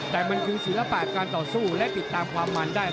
แต่มันคือศิลปะการต่อสู้และติดตามความมันได้